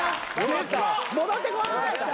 戻ってこい！